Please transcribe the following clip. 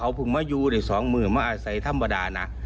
าพึงมาอยู่ได้สองมือมหาศัตรรย์ธรรมดานะ